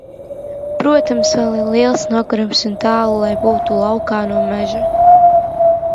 Protams, vēl ir liels nogurums un tālu, lai būtu "laukā no meža".